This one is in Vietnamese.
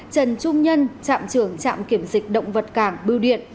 trần trung nhân trạm trưởng trạm kiểm dịch động vật cảng bưu điện